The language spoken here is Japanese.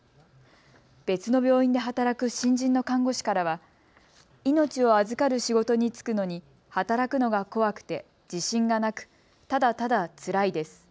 別の病院で働く新人の看護師からは命を預かる仕事に就くのに働くのが怖くて自信がなくただただ、つらいです。